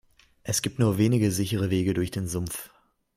Es gibt nur wenige sichere Wege durch den Sumpf.